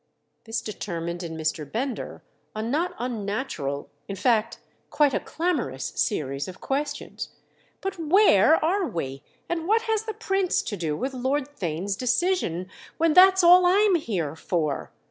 This determined in Mr. Bender a not unnatural, in fact quite a clamorous, series of questions. "But where are we, and what has the Prince to do with Lord Theign's decision when that's all I'm here for?